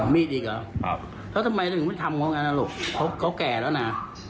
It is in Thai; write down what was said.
มีดอีกเหรอแล้วทำไมถึงไม่ทำของกันนะลูกเขาแก่แล้วนะ